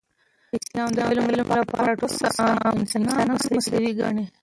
اسلام د علم لپاره ټول انسانان مساوي ګڼي.